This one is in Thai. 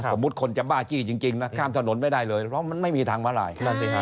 สมมุติคนจะบ้าจี้จริงนะข้ามถนนไม่ได้เลยเพราะมันไม่มีทางมาลัย